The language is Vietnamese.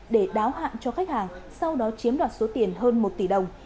để đáo hạn cho khách hàng sau đó chiếm đoạt số tiền hơn một tỷ đồng